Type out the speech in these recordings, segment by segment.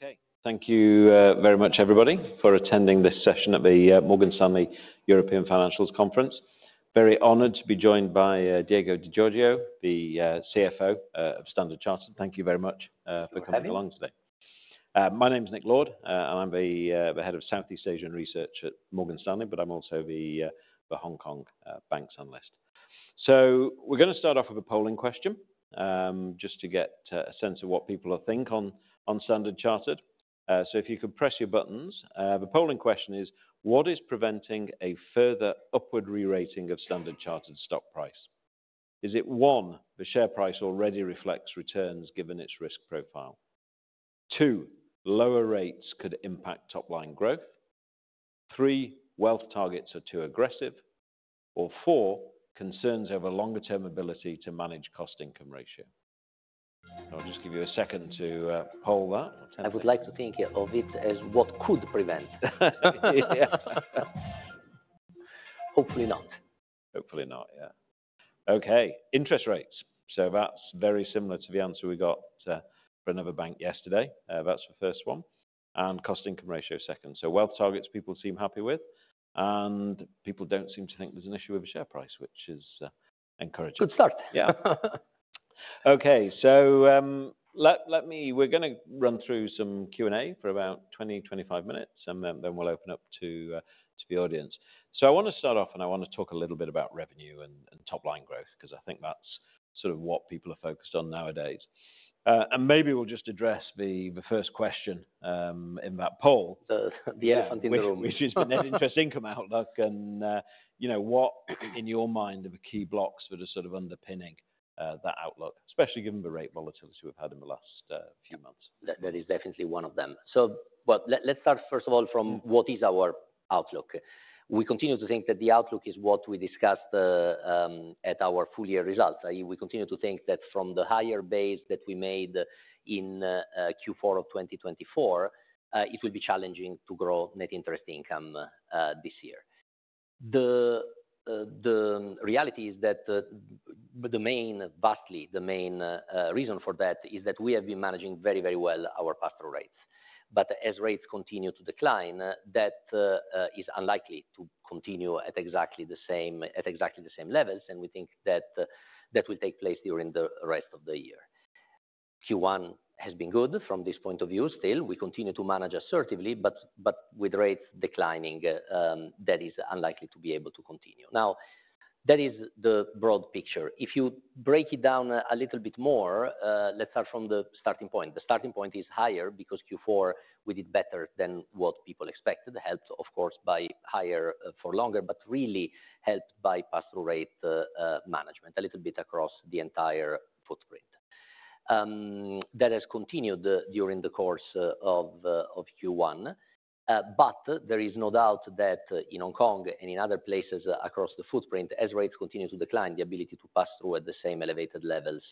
Okay. Thank you very much, everybody, for attending this session at the Morgan Stanley European Financials Conference. Very honored to be joined by Diego De Giorgi, the CFO of Standard Chartered. Thank you very much for coming along today. My name is Nick Lord, and I'm the head of Southeast Asian Research at Morgan Stanley, but I'm also the Hong Kong Bank's analyst. We are going to start off with a polling question just to get a sense of what people think on Standard Chartered. If you could press your buttons. The polling question is, what is preventing a further upward re-rating of Standard Chartered stock price? Is it, one, the share price already reflects returns given its risk profile? Two, lower rates could impact top-line growth? Three, wealth targets are too aggressive? Four, concerns over longer-term ability to manage cost-income ratio? I'll just give you a second to poll that. I would like to think of it as what could prevent. Hopefully not. Hopefully not, yeah. Okay, interest rates. That is very similar to the answer we got for another bank yesterday. That is the first one. Cost-income ratio, second. Wealth targets people seem happy with. People do not seem to think there is an issue with the share price, which is encouraging. Good start. Yeah. Okay, let me—we're going to run through some Q&A for about 20-25 minutes, and then we'll open up to the audience. I want to start off, and I want to talk a little bit about revenue and top-line growth, because I think that's sort of what people are focused on nowadays. Maybe we'll just address the first question in that poll. The interest income outlook. Which is an interest income outlook. What, in your mind, are the key blocks that are sort of underpinning that outlook, especially given the rate volatility we've had in the last few months? That is definitely one of them. Let's start, first of all, from what is our outlook. We continue to think that the outlook is what we discussed at our full-year results. We continue to think that from the higher base that we made in Q4 of 2024, it will be challenging to grow net interest income this year. The reality is that the main, vastly the main reason for that is that we have been managing very, very well our pass rates. As rates continue to decline, that is unlikely to continue at exactly the same, at exactly the same levels. We think that that will take place during the rest of the year. Q1 has been good from this point of view still. We continue to manage assertively, but with rates declining, that is unlikely to be able to continue. That is the broad picture. If you break it down a little bit more, let's start from the starting point. The starting point is higher because Q4 we did better than what people expected, helped, of course, by higher for longer, but really helped by pass rate management a little bit across the entire footprint. That has continued during the course of Q1. There is no doubt that in Hong Kong and in other places across the footprint, as rates continue to decline, the ability to pass through at the same elevated levels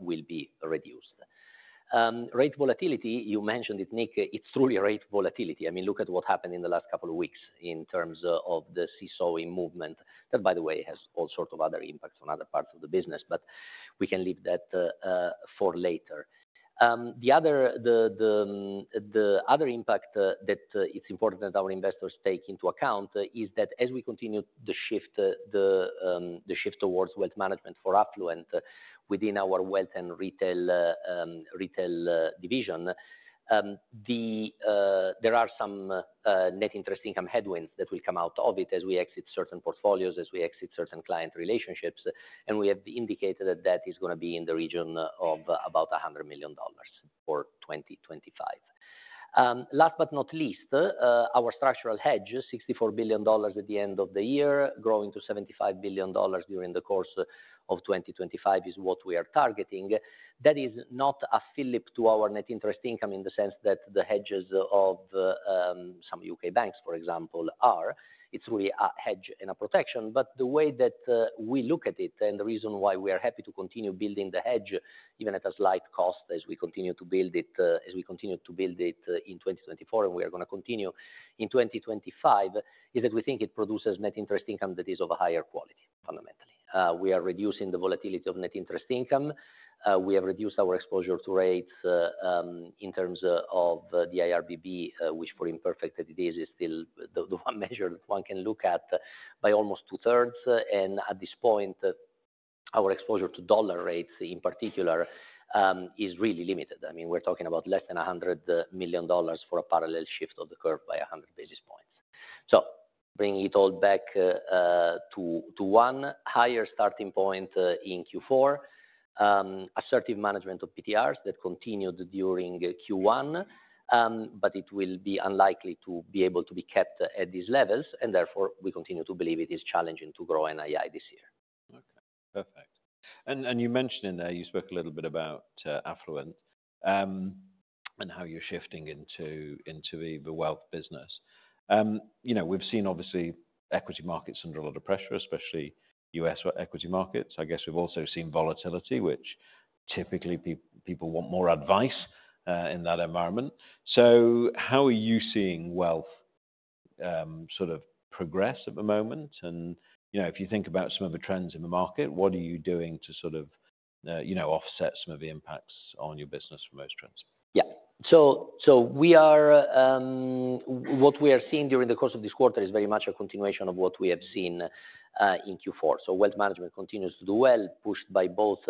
will be reduced. Rate volatility, you mentioned it, Nick, it's truly rate volatility. I mean, look at what happened in the last couple of weeks in terms of the seesaw in movement. That, by the way, has all sorts of other impacts on other parts of the business, but we can leave that for later. The other impact that it's important that our investors take into account is that as we continue the shift towards wealth management for Affluent within our Wealth and Retail division, there are some net interest income headwinds that will come out of it as we exit certain portfolios, as we exit certain client relationships. We have indicated that that is going to be in the region of about $100 million for 2025. Last but not least, our structural hedge, $64 billion at the end of the year, growing to $75 billion during the course of 2025 is what we are targeting. That is not a flip to our net interest income in the sense that the hedges of some U.K. banks, for example, are. It's really a hedge and a protection. The way that we look at it and the reason why we are happy to continue building the hedge, even at a slight cost, as we continue to build it, as we continue to build it in 2024, and we are going to continue in 2025, is that we think it produces net interest income that is of a higher quality, fundamentally. We are reducing the volatility of net interest income. We have reduced our exposure to rates in terms of the IRBB, which, for imperfect that it is, is still the one measure that one can look at by almost two-thirds. At this point, our exposure to dollar rates in particular is really limited. I mean, we're talking about less than $100 million for a parallel shift of the curve by 100 basis points. Bringing it all back to one, higher starting point in Q4, assertive management of PTRs that continued during Q1, but it will be unlikely to be able to be kept at these levels. Therefore, we continue to believe it is challenging to grow NII this year. Okay, perfect. You mentioned in there you spoke a little bit about Affluent and how you're shifting into the wealth business. We've seen, obviously, equity markets under a lot of pressure, especially U.S. equity markets. I guess we've also seen volatility, which typically people want more advice in that environment. How are you seeing wealth sort of progress at the moment? If you think about some of the trends in the market, what are you doing to sort of offset some of the impacts on your business from those trends? Yeah. What we are seeing during the course of this quarter is very much a continuation of what we have seen in Q4. Wealth management continues to do well, pushed by both,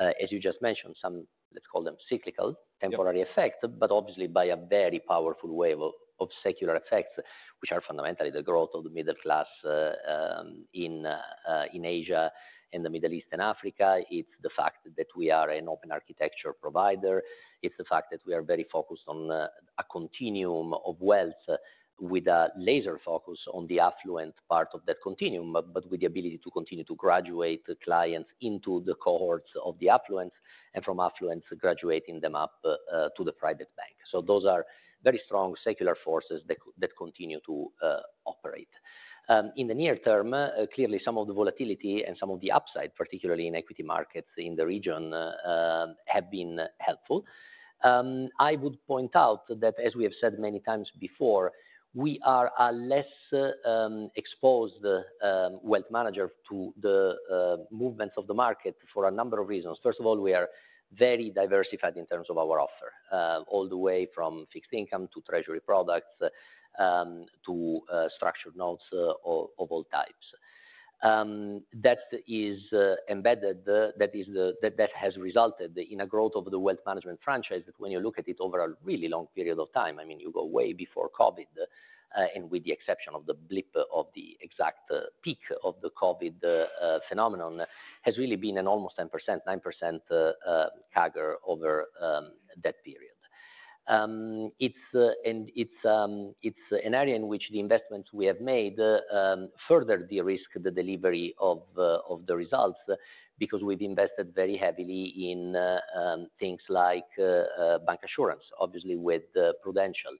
as you just mentioned, some, let's call them cyclical temporary effect, but obviously by a very powerful wave of secular effects, which are fundamentally the growth of the middle class in Asia and the Middle East and Africa. It is the fact that we are an open architecture provider. It is the fact that we are very focused on a continuum of wealth with a laser focus on the Affluent part of that continuum, but with the ability to continue to graduate clients into the cohorts of the Affluent and from Affluent graduating them up to the Private Bank. Those are very strong secular forces that continue to operate. In the near term, clearly, some of the volatility and some of the upside, particularly in equity markets in the region, have been helpful. I would point out that, as we have said many times before, we are a less exposed wealth manager to the movements of the market for a number of reasons. First of all, we are very diversified in terms of our offer, all the way from fixed income to treasury products to structured notes of all types. That is embedded. That has resulted in a growth of the wealth management franchise that when you look at it over a really long period of time, I mean, you go way before COVID, and with the exception of the blip of the exact peak of the COVID phenomenon, has really been an almost 10%, 9% CAGR over that period. It's an area in which the investments we have made further de-risk the delivery of the results because we've invested very heavily in things like bancassurance, obviously with Prudential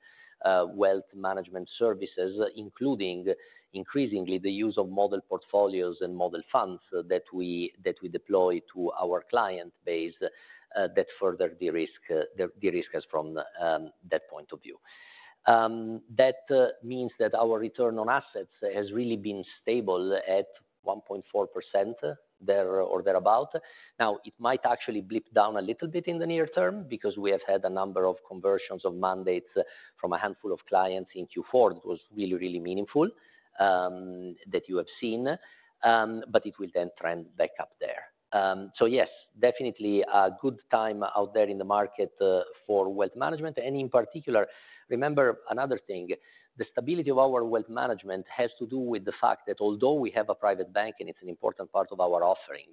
wealth management services, including increasingly the use of model portfolios and model funds that we deploy to our client base that further de-risk us from that point of view. That means that our return on assets has really been stable at 1.4% there or thereabout. Now, it might actually blip down a little bit in the near term because we have had a number of conversions of mandates from a handful of clients in Q4 that was really, really meaningful that you have seen, but it will then trend back up there. Yes, definitely a good time out there in the market for wealth management. In particular, remember another thing, the stability of our wealth management has to do with the fact that although we have a Private Bank and it's an important part of our offering,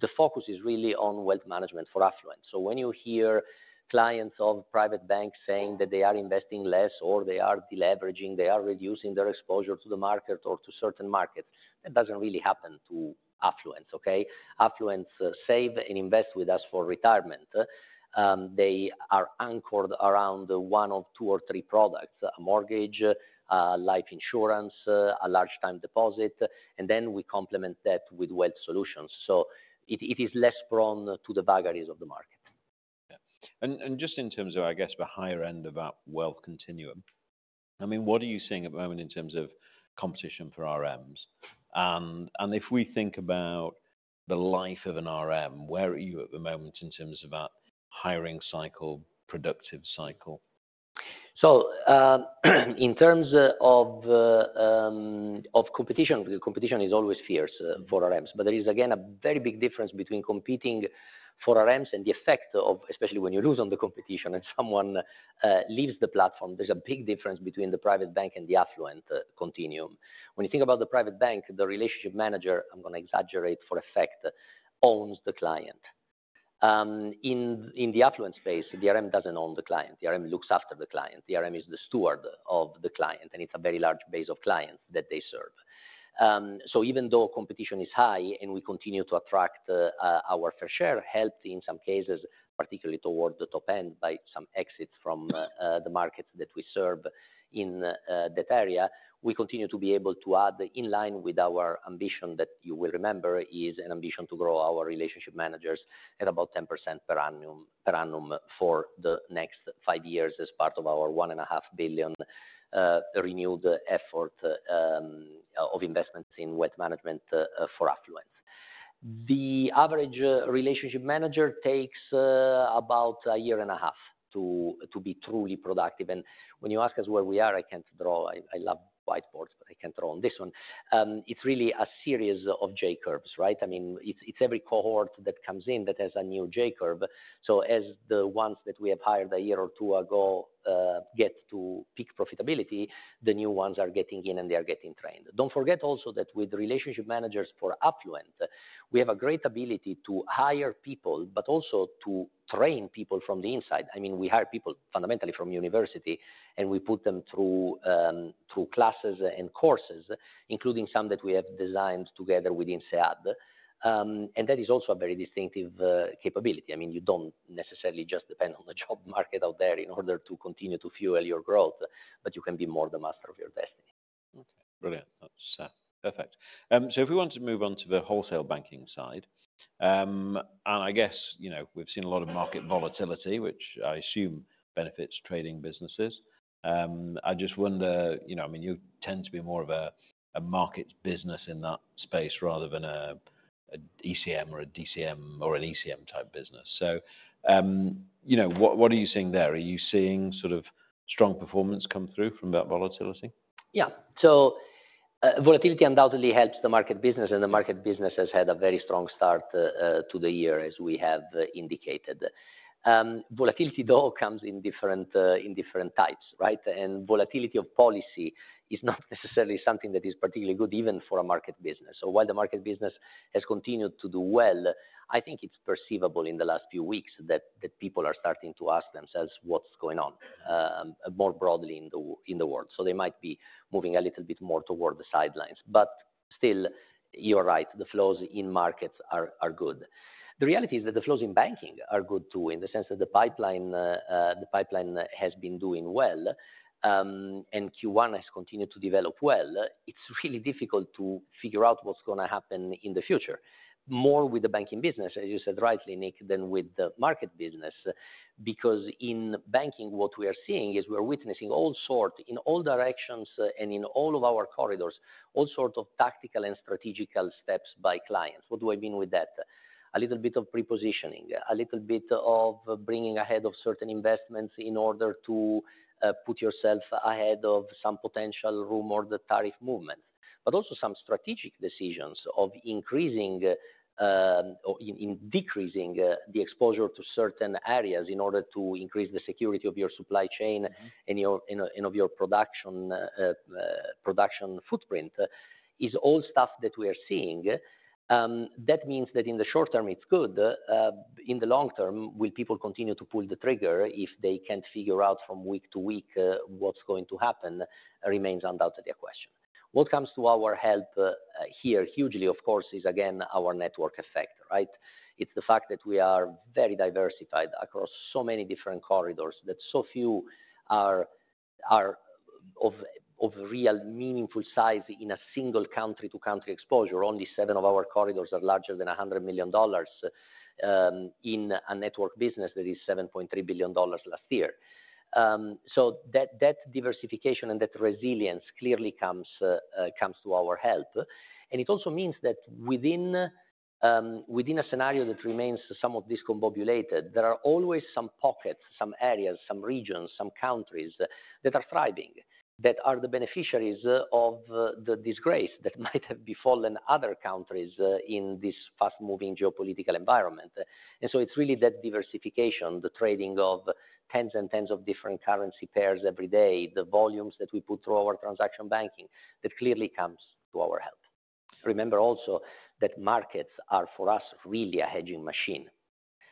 the focus is really on wealth management for Affluent. When you hear clients of Private Banks saying that they are investing less or they are deleveraging, they are reducing their exposure to the market or to certain markets, that doesn't really happen to Affluents, okay? Affluents save and invest with us for retirement. They are anchored around one or two or three products: a mortgage, life insurance, a large-time deposit, and then we complement that with wealth solutions. It is less prone to the vagaries of the market. Yeah. Just in terms of, I guess, the higher end of that wealth continuum, I mean, what are you seeing at the moment in terms of competition for RMs? And if we think about the life of an RM, where are you at the moment in terms of that hiring cycle, productive cycle? In terms of competition, the competition is always fierce for RMs. There is, again, a very big difference between competing for RMs and the effect of, especially when you lose on the competition and someone leaves the platform, there's a big difference between the Private Bank and the Affluent continuum. When you think about the Private Bank, the relationship manager, I'm going to exaggerate for effect, owns the client. In the Affluent space, the RM doesn't own the client. The RM looks after the client. The RM is the steward of the client, and it's a very large base of clients that they serve. Even though competition is high and we continue to attract our fair share, helped in some cases, particularly toward the top end by some exits from the markets that we serve in that area, we continue to be able to add in line with our ambition that you will remember is an ambition to grow our relationship managers at about 10% per annum for the next five years as part of our $1.5 billion renewed effort of investments in wealth management for Affluents. The average relationship manager takes about a year and a half to be truly productive. When you ask us where we are, I can't draw. I love whiteboards, but I can't draw on this one. It is really a series of J curves, right? I mean, it is every cohort that comes in that has a new J curve. As the ones that we have hired a year or two ago get to peak profitability, the new ones are getting in and they are getting trained. Don't forget also that with relationship managers for Affluent, we have a great ability to hire people, but also to train people from the inside. I mean, we hire people fundamentally from university, and we put them through classes and courses, including some that we have designed together within SEAD. That is also a very distinctive capability. I mean, you don't necessarily just depend on the job market out there in order to continue to fuel your growth, but you can be more the master of your destiny. Okay. Brilliant. Perfect. If we want to move on to the wholesale banking side, I guess we've seen a lot of market volatility, which I assume benefits trading businesses. I just wonder, I mean, you tend to be more of a market business in that space rather than an ECM or an ECM type business. What are you seeing there? Are you seeing sort of strong performance come through from that volatility? Yeah. Volatility undoubtedly helps the market business, and the market business has had a very strong start to the year, as we have indicated. Volatility, though, comes in different types, right? Volatility of policy is not necessarily something that is particularly good even for a market business. While the market business has continued to do well, I think it's perceivable in the last few weeks that people are starting to ask themselves what's going on more broadly in the world. They might be moving a little bit more toward the sidelines. Still, you're right, the flows in markets are good. The reality is that the flows in banking are good too in the sense that the pipeline has been doing well and Q1 has continued to develop well. It's really difficult to figure out what's going to happen in the future, more with the banking business, as you said rightly, Nick, than with the market business, because in banking, what we are seeing is we are witnessing all sorts in all directions and in all of our corridors, all sorts of tactical and strategical steps by clients. What do I mean with that? That means that in the short term, it's good. In the long term, will people continue to pull the trigger if they can't figure out from week to week what's going to happen remains undoubtedly a question. What comes to our help here hugely, of course, is again, our network effect, right? It's the fact that we are very diversified across so many different corridors that so few are of real meaningful size in a single country-to-country exposure. Only seven of our corridors are larger than $100 million in a network business that is $7.3 billion last year. That diversification and that resilience clearly comes to our help. It also means that within a scenario that remains somewhat discombobulated, there are always some pockets, some areas, some regions, some countries that are thriving, that are the beneficiaries of the disgrace that might have befallen other countries in this fast-moving geopolitical environment. It is really that diversification, the trading of tens and tens of different currency pairs every day, the volumes that we put through our transaction banking that clearly comes to our help. Remember also that markets are for us really a hedging machine.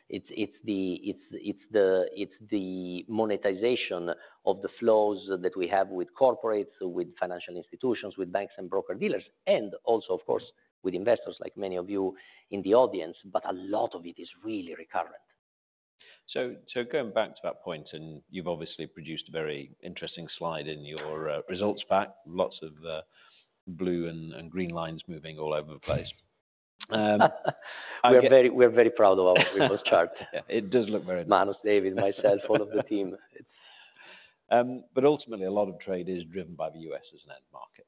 It is the monetization of the flows that we have with corporates, with financial institutions, with banks and broker-dealers, and also, of course, with investors like many of you in the audience, but a lot of it is really recurrent. Going back to that point, and you've obviously produced a very interesting slide in your results pack, lots of blue and green lines moving all over the place. We're very proud of our report chart. It does look very nice. Manus, David, myself, all of the team. Ultimately, a lot of trade is driven by the US as an end market.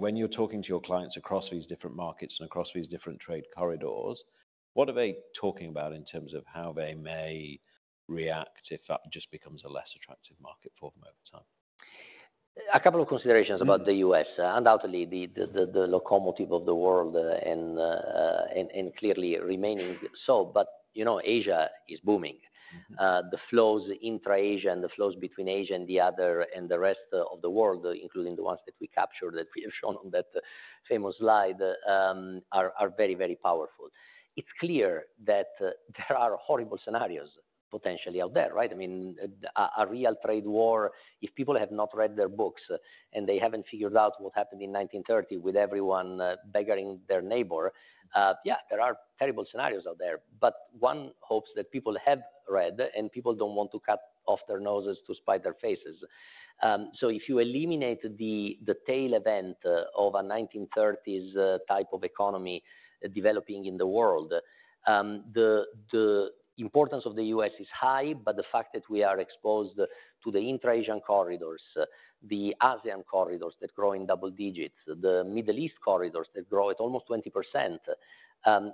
When you're talking to your clients across these different markets and across these different trade corridors, what are they talking about in terms of how they may react if that just becomes a less attractive market for them over time? A couple of considerations about the U.S. Undoubtedly, the locomotive of the world and clearly remaining so. Asia is booming. The flows intra-Asia and the flows between Asia and the other and the rest of the world, including the ones that we captured that we have shown on that famous slide, are very, very powerful. It's clear that there are horrible scenarios potentially out there, right? I mean, a real trade war, if people have not read their books and they haven't figured out what happened in 1930 with everyone beggaring their neighbor, yeah, there are terrible scenarios out there. One hopes that people have read and people don't want to cut off their noses to spite their faces. If you eliminate the tail event of a 1930s type of economy developing in the world, the importance of the U.S. is high, but the fact that we are exposed to the intra-Asian corridors, the ASEAN corridors that grow in double digits, the Middle East corridors that grow at almost 20%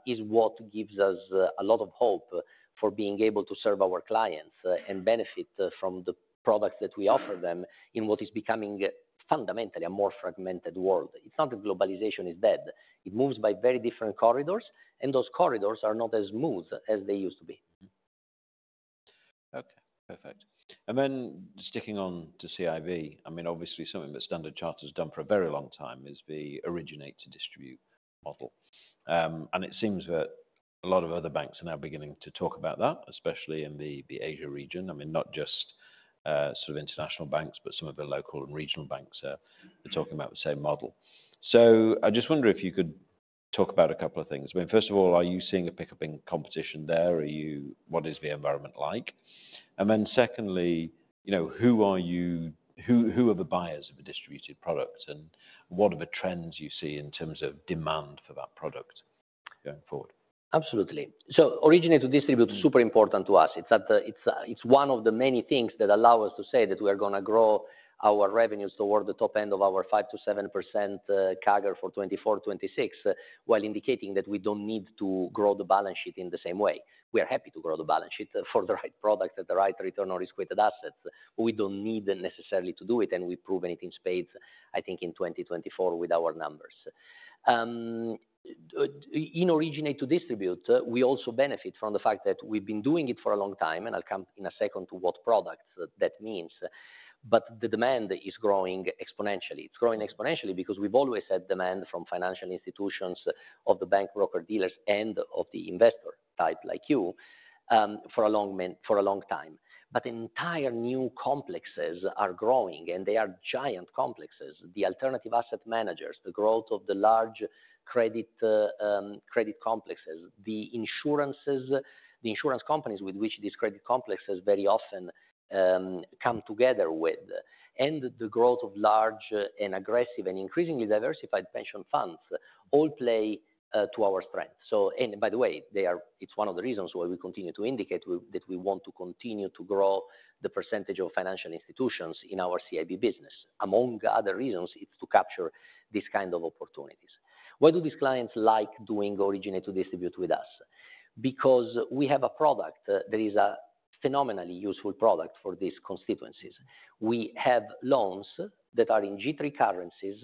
is what gives us a lot of hope for being able to serve our clients and benefit from the products that we offer them in what is becoming fundamentally a more fragmented world. It is not that globalization is dead. It moves by very different corridors, and those corridors are not as smooth as they used to be. Okay. Perfect. Sticking on to CIB, I mean, obviously something that Standard Chartered has done for a very long time is the originate-to-distribute model. It seems that a lot of other banks are now beginning to talk about that, especially in the Asia region. I mean, not just sort of international banks, but some of the local and regional banks are talking about the same model. I just wonder if you could talk about a couple of things. First of all, are you seeing a pickup in competition there? What is the environment like? Secondly, who are you? Who are the buyers of a distributed product? What are the trends you see in terms of demand for that product going forward? Absolutely. Originate-to-distribute is super important to us. It is one of the many things that allow us to say that we are going to grow our revenues toward the top end of our 5%-7% CAGR for 2024-2026, while indicating that we do not need to grow the balance sheet in the same way. We are happy to grow the balance sheet for the right product at the right return on risk-weighted assets. We do not need necessarily to do it, and we have proven it in spades, I think, in 2024 with our numbers. In originate-to-distribute, we also benefit from the fact that we have been doing it for a long time, and I will come in a second to what product that means, but the demand is growing exponentially. It's growing exponentially because we've always had demand from financial institutions, of the bank broker-dealers, and of the investor type like you for a long time. Entire new complexes are growing, and they are giant complexes. The alternative asset managers, the growth of the large credit complexes, the insurance companies with which these credit complexes very often come together with, and the growth of large and aggressive and increasingly diversified pension funds all play to our strength. By the way, it's one of the reasons why we continue to indicate that we want to continue to grow the percentage of financial institutions in our CIB business. Among other reasons, it's to capture these kinds of opportunities. Why do these clients like doing originate-to-distribute with us? Because we have a product that is a phenomenally useful product for these constituencies. We have loans that are in G3 currencies,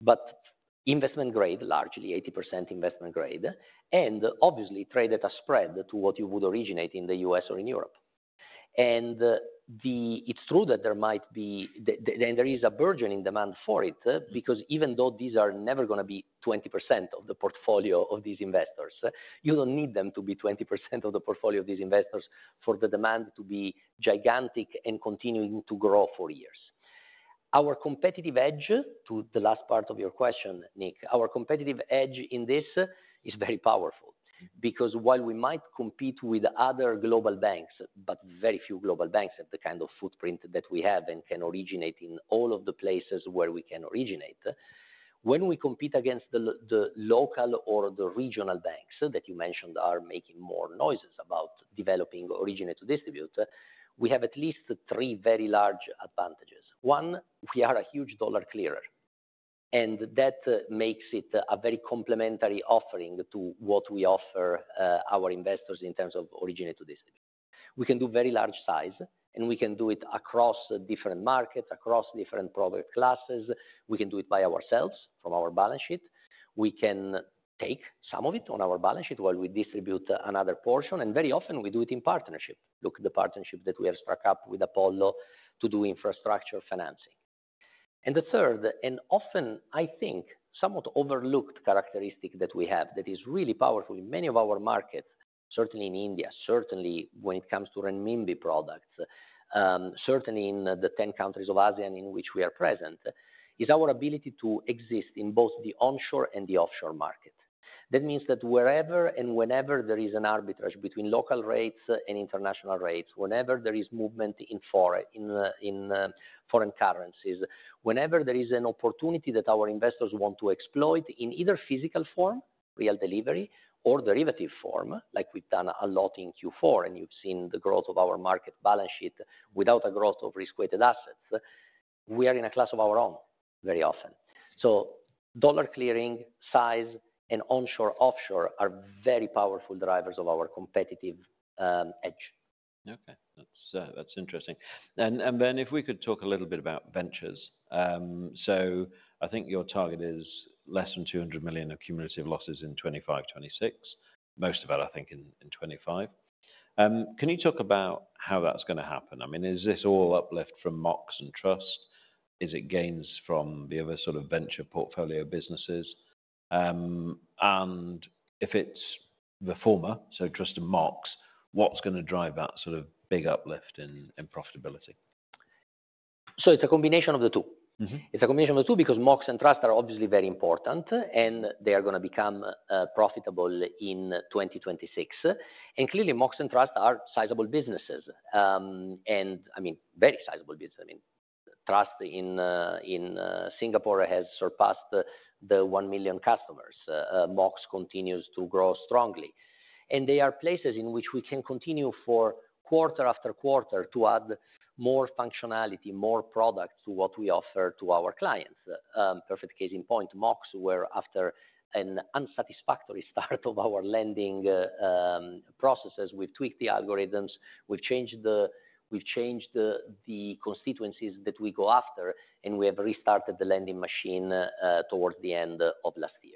but investment grade, largely 80% investment grade, and obviously traded at a spread to what you would originate in the US or in Europe. It is true that there might be, and there is, a burgeoning demand for it because even though these are never going to be 20% of the portfolio of these investors, you do not need them to be 20% of the portfolio of these investors for the demand to be gigantic and continuing to grow for years. Our competitive edge to the last part of your question, Nick, our competitive edge in this is very powerful because while we might compete with other global banks, very few global banks have the kind of footprint that we have and can originate in all of the places where we can originate. When we compete against the local or the regional banks that you mentioned are making more noises about developing originate-to-distribute, we have at least three very large advantages. One, we are a huge dollar clearer, and that makes it a very complementary offering to what we offer our investors in terms of originate-to-distribute. We can do very large size, and we can do it across different markets, across different product classes. We can do it by ourselves from our balance sheet. We can take some of it on our balance sheet while we distribute another portion. Very often, we do it in partnership. Look at the partnership that we have struck up with Apollo to do infrastructure financing. The third, and often, I think, somewhat overlooked characteristic that we have that is really powerful in many of our markets, certainly in India, certainly when it comes to renminbi products, certainly in the 10 countries of ASEAN in which we are present, is our ability to exist in both the onshore and the offshore market. That means that wherever and whenever there is an arbitrage between local rates and international rates, whenever there is movement in foreign currencies, whenever there is an opportunity that our investors want to exploit in either physical form, real delivery, or derivative form, like we've done a lot in Q4, and you've seen the growth of our market balance sheet without a growth of risk-weighted assets, we are in a class of our own very often. Dollar clearing, size, and onshore-offshore are very powerful drivers of our competitive edge. Okay. That's interesting. If we could talk a little bit about ventures. I think your target is less than $200 million in cumulative losses in 2025, 2026, most of that, I think, in 2025. Can you talk about how that's going to happen? I mean, is this all uplift from Mox and Trust? Is it gains from the other sort of venture portfolio businesses? If it's the former, so Trust and Mox, what's going to drive that sort of big uplift in profitability? It's a combination of the two. It's a combination of the two because Mox and Trust are obviously very important, and they are going to become profitable in 2026. Clearly, Mox and Trust are sizable businesses. I mean, very sizable businesses. I mean, Trust in Singapore has surpassed the 1 million customers. Mox continues to grow strongly. They are places in which we can continue, quarter after quarter, to add more functionality, more product to what we offer to our clients. Perfect case in point, Mox, where after an unsatisfactory start of our lending processes, we've tweaked the algorithms, we've changed the constituencies that we go after, and we have restarted the lending machine towards the end of last year.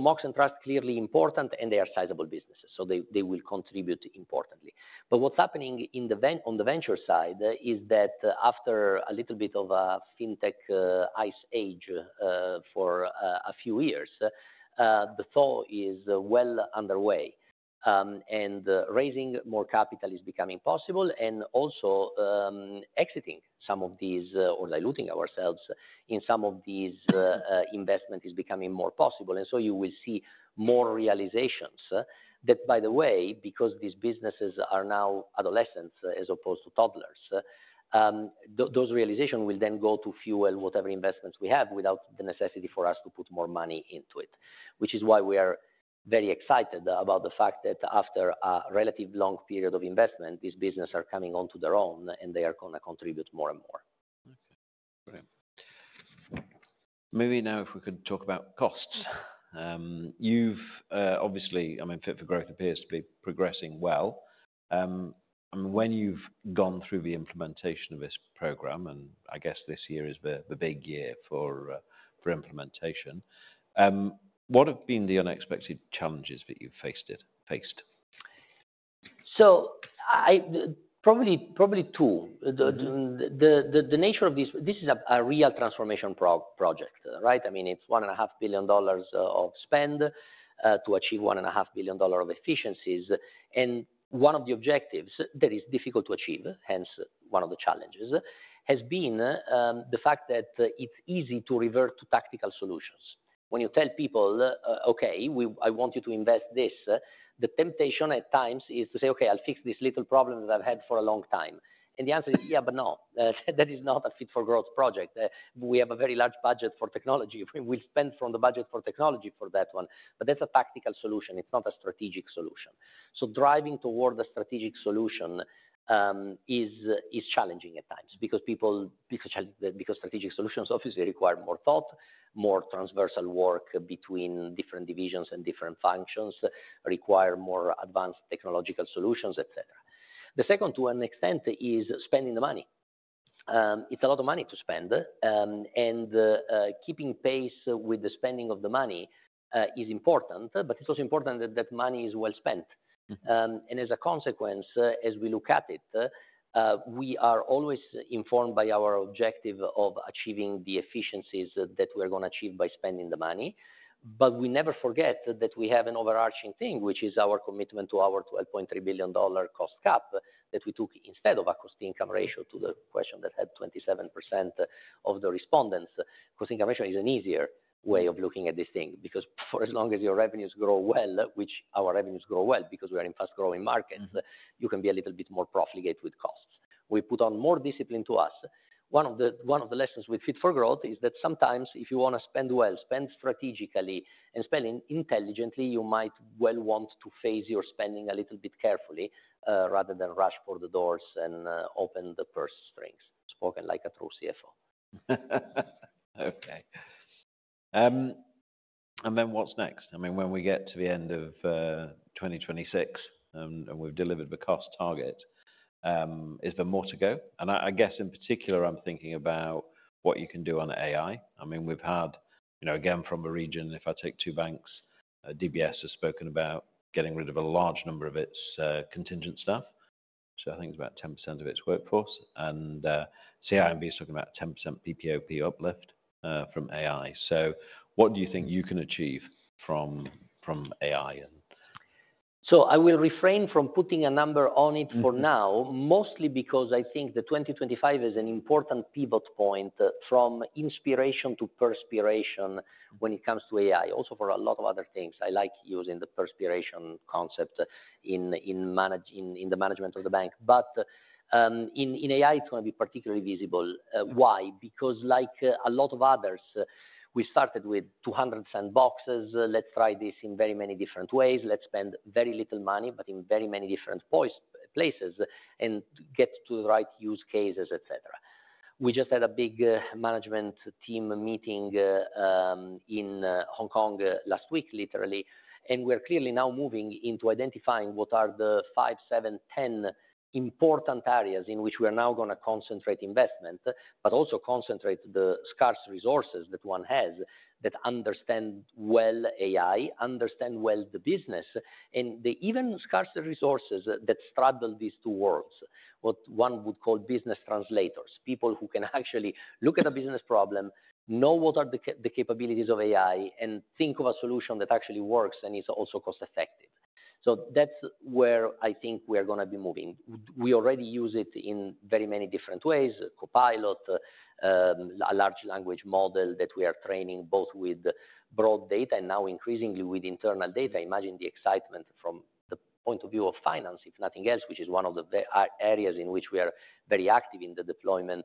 Mox and Trust are clearly important, and they are sizable businesses, so they will contribute importantly. What's happening on the venture side is that after a little bit of a fintech ice age for a few years, the thaw is well underway, and raising more capital is becoming possible, and also exiting some of these or diluting ourselves in some of these investments is becoming more possible. You will see more realizations that, by the way, because these businesses are now adolescents as opposed to toddlers, those realizations will then go to fuel whatever investments we have without the necessity for us to put more money into it, which is why we are very excited about the fact that after a relatively long period of investment, these businesses are coming onto their own, and they are going to contribute more and more. Okay. Great. Maybe now if we could talk about costs. You've obviously, I mean, Fit for Growth appears to be progressing well. I mean, when you've gone through the implementation of this program, and I guess this year is the big year for implementation, what have been the unexpected challenges that you've faced? Probably two. The nature of this is a real transformation project, right? I mean, it's $1.5 billion of spend to achieve $1.5 billion of efficiencies. One of the objectives that is difficult to achieve, hence one of the challenges, has been the fact that it's easy to revert to tactical solutions. When you tell people, "Okay, I want you to invest this," the temptation at times is to say, "Okay, I'll fix this little problem that I've had for a long time." The answer is, "Yeah, but no. That is not a Fit for Growth project. We have a very large budget for technology. We'll spend from the budget for technology for that one." That's a tactical solution. It's not a strategic solution. Driving toward a strategic solution is challenging at times because strategic solutions obviously require more thought, more transversal work between different divisions and different functions, require more advanced technological solutions, etc. The second, to an extent, is spending the money. It's a lot of money to spend, and keeping pace with the spending of the money is important, but it's also important that money is well spent. As a consequence, as we look at it, we are always informed by our objective of achieving the efficiencies that we are going to achieve by spending the money. We never forget that we have an overarching thing, which is our commitment to our $12.3 billion cost cap that we took instead of a cost-income ratio to the question that had 27% of the respondents. Cost-income ratio is an easier way of looking at this thing because for as long as your revenues grow well, which our revenues grow well because we are in fast-growing markets, you can be a little bit more profligate with costs. We put on more discipline to us. One of the lessons with Fit for Growth is that sometimes if you want to spend well, spend strategically, and spend intelligently, you might well want to phase your spending a little bit carefully rather than rush for the doors and open the purse strings, spoken like a true CFO. Okay. What's next? I mean, when we get to the end of 2026 and we've delivered the cost target, is there more to go? I guess in particular, I'm thinking about what you can do on AI. I mean, we've had, again, from a region, if I take two banks, DBS has spoken about getting rid of a large number of its contingent staff. I think it's about 10% of its workforce. CIMB is talking about a 10% PPOP uplift from AI. What do you think you can achieve from AI? I will refrain from putting a number on it for now, mostly because I think that 2025 is an important pivot point from inspiration to perspiration when it comes to AI, also for a lot of other things. I like using the perspiration concept in the management of the bank. In AI, it's going to be particularly visible. Why? Because like a lot of others, we started with 200-cent boxes. Let's try this in very many different ways. Let's spend very little money, but in very many different places and get to the right use cases, etc. We just had a big management team meeting in Hong Kong last week, literally. We are clearly now moving into identifying what are the 5, 7, 10 important areas in which we are now going to concentrate investment, but also concentrate the scarce resources that one has that understand well AI, understand well the business, and even scarcer resources that straddle these two worlds, what one would call business translators, people who can actually look at a business problem, know what are the capabilities of AI, and think of a solution that actually works and is also cost-effective. That is where I think we are going to be moving. We already use it in very many different ways, Copilot, a large language model that we are training both with broad data and now increasingly with internal data. Imagine the excitement from the point of view of finance, if nothing else, which is one of the areas in which we are very active in the deployment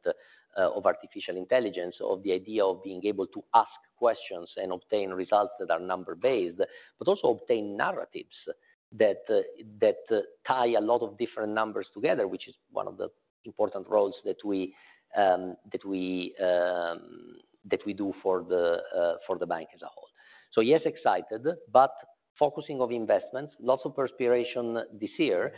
of artificial intelligence, of the idea of being able to ask questions and obtain results that are number-based, but also obtain narratives that tie a lot of different numbers together, which is one of the important roles that we do for the bank as a whole. Yes, excited, but focusing on investments, lots of perspiration this year.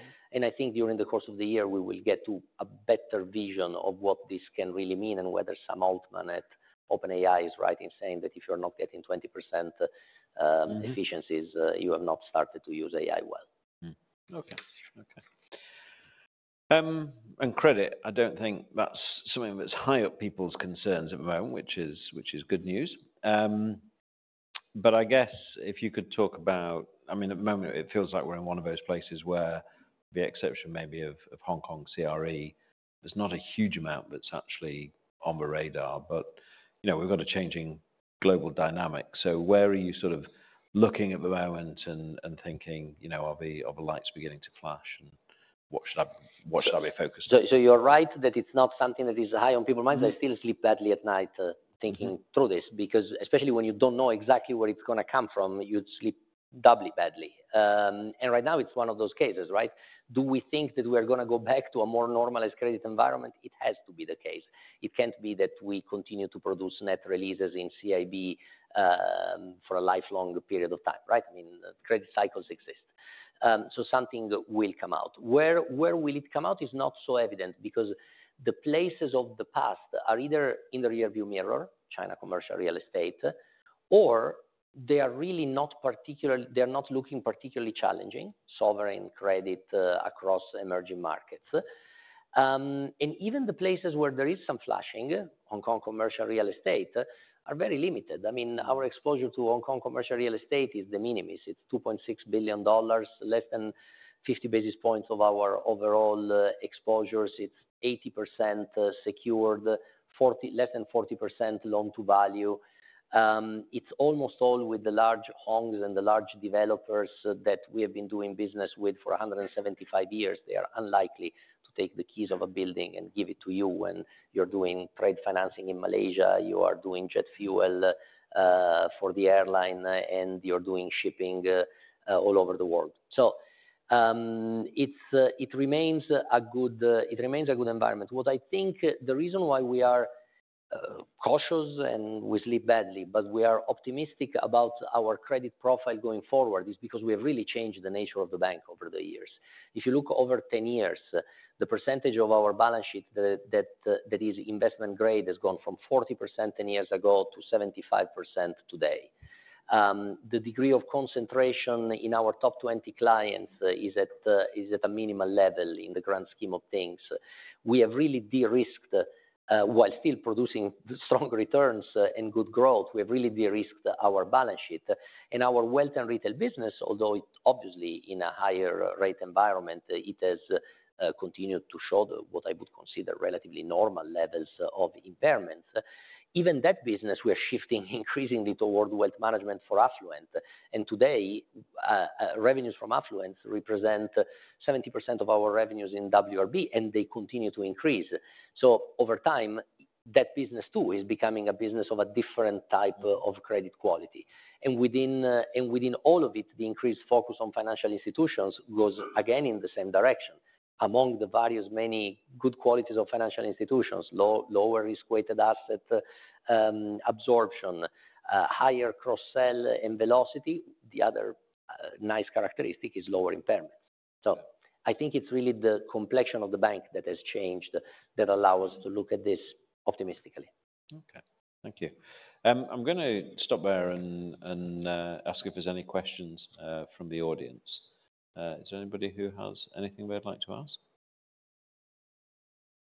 I think during the course of the year, we will get to a better vision of what this can really mean and whether Sam Altman at OpenAI is right in saying that if you're not getting 20% efficiencies, you have not started to use AI well. Okay. Okay. Credit, I do not think that is something that is high up people's concerns at the moment, which is good news. I guess if you could talk about, I mean, at the moment, it feels like we are in one of those places where, with the exception maybe of Hong Kong CRE, there is not a huge amount that is actually on the radar. We have got a changing global dynamic. Where are you sort of looking at the moment and thinking, "Are the lights beginning to flash? What should I be focused on? You're right that it's not something that is high on people's minds. I still sleep badly at night thinking through this because especially when you don't know exactly where it's going to come from, you'd sleep doubly badly. Right now, it's one of those cases, right? Do we think that we are going to go back to a more normalized credit environment? It has to be the case. It can't be that we continue to produce net releases in CIB for a lifelong period of time, right? I mean, credit cycles exist. Something will come out. Where will it come out is not so evident because the places of the past are either in the rearview mirror, China commercial real estate, or they are really not particularly looking particularly challenging, sovereign credit across emerging markets. Even the places where there is some flashing, Hong Kong commercial real estate, are very limited. I mean, our exposure to Hong Kong commercial real estate is de minimis. It's $2.6 billion, less than 50 basis points of our overall exposures. It's 80% secured, less than 40% loan-to-value. It's almost all with the large Hongs and the large developers that we have been doing business with for 175 years. They are unlikely to take the keys of a building and give it to you when you're doing trade financing in Malaysia, you are doing jet fuel for the airline, and you're doing shipping all over the world. It remains a good environment. What I think the reason why we are cautious and we sleep badly, but we are optimistic about our credit profile going forward is because we have really changed the nature of the bank over the years. If you look over 10 years, the percentage of our balance sheet that is investment-grade has gone from 40% 10 years ago to 75% today. The degree of concentration in our top 20 clients is at a minimal level in the grand scheme of things. We have really de-risked while still producing strong returns and good growth. We have really de-risked our balance sheet. Our wealth and retail business, although obviously in a higher rate environment, it has continued to show what I would consider relatively normal levels of impairment. Even that business, we are shifting increasingly toward wealth management for Affluent. Revenues from Affluent represent 70% of our revenues in WRB, and they continue to increase. Over time, that business too is becoming a business of a different type of credit quality. Within all of it, the increased focus on financial institutions goes again in the same direction. Among the various many good qualities of financial institutions, lower risk-weighted asset absorption, higher cross-sell and velocity, the other nice characteristic is lower impairment. I think it is really the complexion of the bank that has changed that allows us to look at this optimistically. Okay. Thank you. I'm going to stop there and ask if there's any questions from the audience. Is there anybody who has anything they'd like to ask?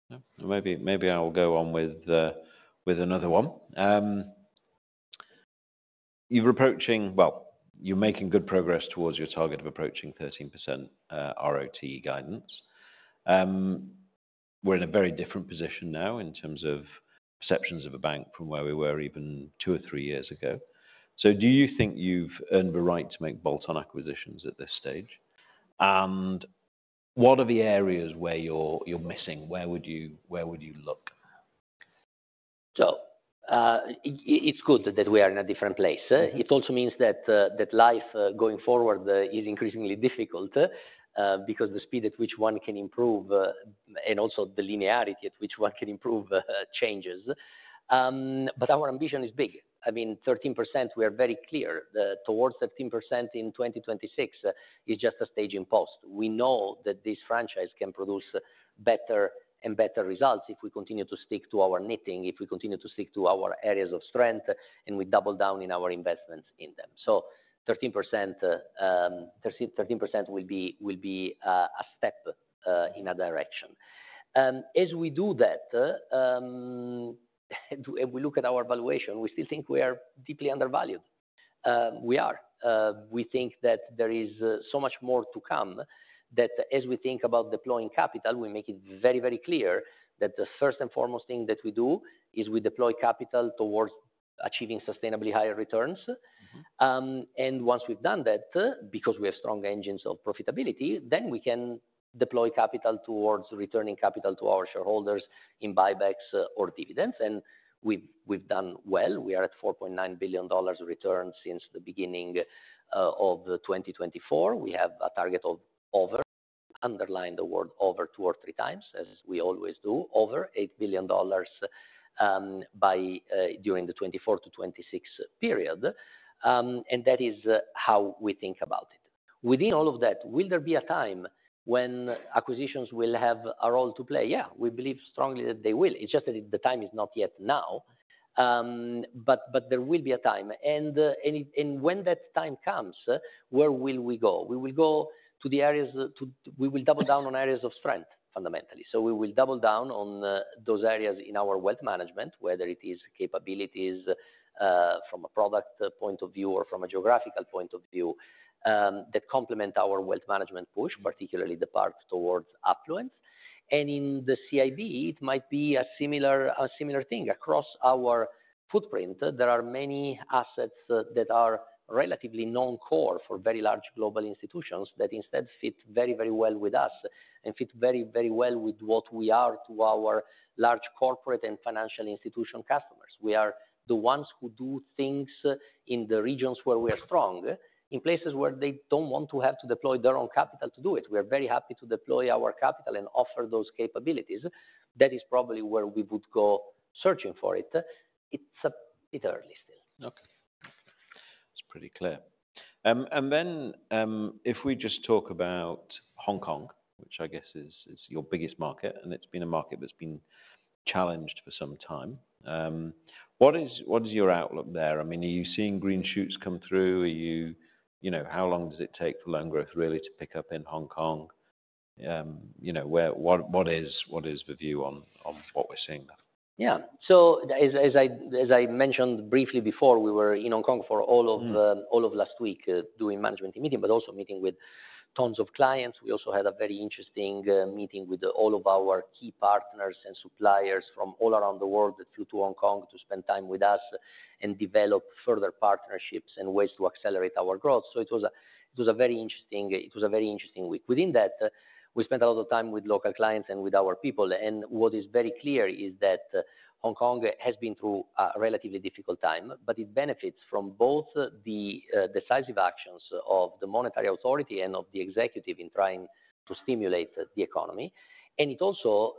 No? Maybe I'll go on with another one. You're approaching, well, you're making good progress towards your target of approaching 13% ROT guidance. We're in a very different position now in terms of perceptions of a bank from where we were even two or three years ago. Do you think you've earned the right to make bolt-on acquisitions at this stage? What are the areas where you're missing? Where would you look? It is good that we are in a different place. It also means that life going forward is increasingly difficult because the speed at which one can improve and also the linearity at which one can improve changes. Our ambition is big. I mean, 13%, we are very clear that towards 13% in 2026 is just a staging post. We know that these franchises can produce better and better results if we continue to stick to our knitting, if we continue to stick to our areas of strength, and we double down in our investments in them. 13% will be a step in a direction. As we do that, if we look at our valuation, we still think we are deeply undervalued. We are. We think that there is so much more to come that as we think about deploying capital, we make it very, very clear that the first and foremost thing that we do is we deploy capital towards achieving sustainably higher returns. Once we have done that, because we have strong engines of profitability, we can deploy capital towards returning capital to our shareholders in buybacks or dividends. We have done well. We are at $4.9 billion returns since the beginning of 2024. We have a target of over, underline the word over two or three times, as we always do, over $8 billion during the 2024-2026 period. That is how we think about it. Within all of that, will there be a time when acquisitions will have a role to play? Yeah, we believe strongly that they will. It's just that the time is not yet now, but there will be a time. When that time comes, where will we go? We will go to the areas we will double down on areas of strength, fundamentally. We will double down on those areas in our wealth management, whether it is capabilities from a product point of view or from a geographical point of view that complement our wealth management push, particularly the part towards Affluent. In the CIB, it might be a similar thing. Across our footprint, there are many assets that are relatively non-core for very large global institutions that instead fit very, very well with us and fit very, very well with what we are to our large corporate and financial institution customers. We are the ones who do things in the regions where we are strong, in places where they do not want to have to deploy their own capital to do it. We are very happy to deploy our capital and offer those capabilities. That is probably where we would go searching for it. It is a bit early still. Okay. That's pretty clear. If we just talk about Hong Kong, which I guess is your biggest market, and it's been a market that's been challenged for some time. What is your outlook there? I mean, are you seeing green shoots come through? How long does it take for loan growth really to pick up in Hong Kong? What is the view on what we're seeing there? Yeah. As I mentioned briefly before, we were in Hong Kong for all of last week doing management meeting, but also meeting with tons of clients. We also had a very interesting meeting with all of our key partners and suppliers from all around the world that flew to Hong Kong to spend time with us and develop further partnerships and ways to accelerate our growth. It was a very interesting week. Within that, we spent a lot of time with local clients and with our people. What is very clear is that Hong Kong has been through a relatively difficult time, but it benefits from both the decisive actions of the monetary authority and of the executive in trying to stimulate the economy. It also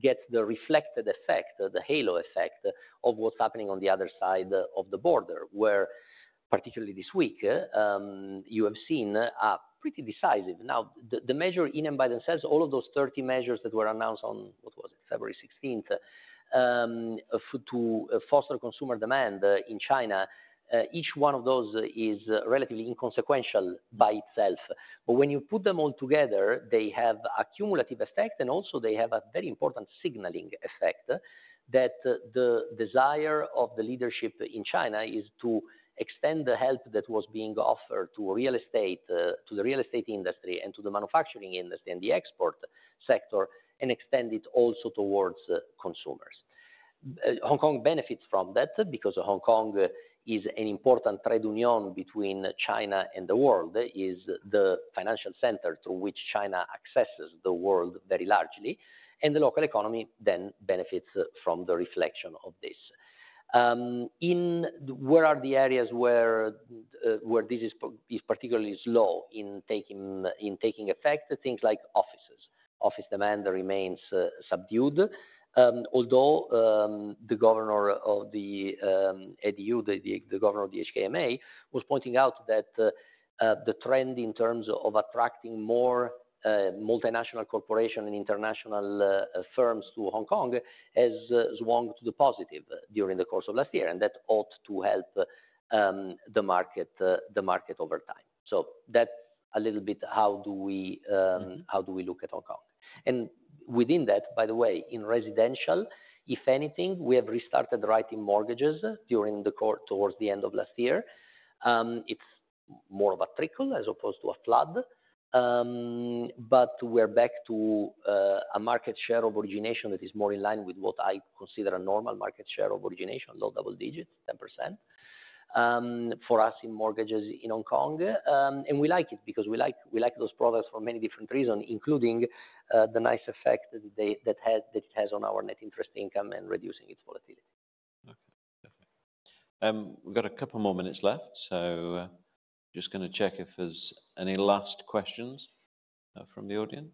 gets the reflected effect, the halo effect of what's happening on the other side of the border, where particularly this week, you have seen a pretty decisive now, the measure in and by themselves, all of those 30 measures that were announced on, what was it, February 16th, to foster consumer demand in China, each one of those is relatively inconsequential by itself. When you put them all together, they have a cumulative effect, and also they have a very important signaling effect that the desire of the leadership in China is to extend the help that was being offered to real estate, to the real estate industry, and to the manufacturing industry and the export sector, and extend it also towards consumers. Hong Kong benefits from that because Hong Kong is an important trade union between China and the world, is the financial center through which China accesses the world very largely, and the local economy then benefits from the reflection of this. Where are the areas where this is particularly slow in taking effect? Things like offices. Office demand remains subdued, although the governor of the HKMA was pointing out that the trend in terms of attracting more multinational corporations and international firms to Hong Kong has swung to the positive during the course of last year, and that ought to help the market over time. That is a little bit how do we look at Hong Kong. Within that, by the way, in residential, if anything, we have restarted writing mortgages towards the end of last year. It's more of a trickle as opposed to a flood, but we're back to a market share of origination that is more in line with what I consider a normal market share of origination, low double digits, 10% for us in mortgages in Hong Kong. We like it because we like those products for many different reasons, including the nice effect that it has on our net interest income and reducing its volatility. Okay. Definitely. We've got a couple more minutes left, so just going to check if there's any last questions from the audience.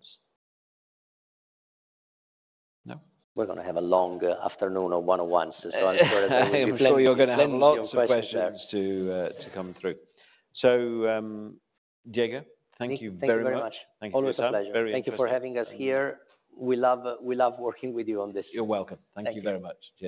No? We're going to have a long afternoon of one-on-ones, so I'm sure there will be plenty of questions. I'm sure you're going to have lots of questions to come through. Diego, thank you very much. Thank you very much. Thank you, Pritha. Thank you for having us here. We love working with you on this. You're welcome. Thank you very much.